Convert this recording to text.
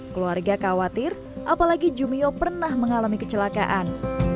keluarga khawatir apalagi jumio pernah mengalami kecelakaan